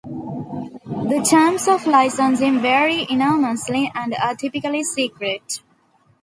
The terms of licensing vary enormously, and are typically secret.